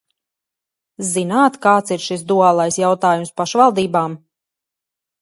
Zināt, kāds ir šis duālais jautājums pašvaldībām?